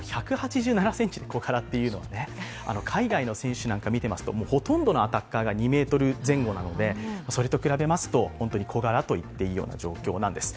でも１８７ｃｍの小柄というのは、海外の選手を見てますとほとんどのアタッカーが２ｍ前後なので、それと比べますと本当に小柄といっていいような状況なんです。